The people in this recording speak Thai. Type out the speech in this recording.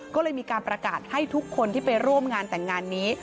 ก็เลยมีการประกาศให้ทุกคนที่ไปร่วมงานแต่งงานนี้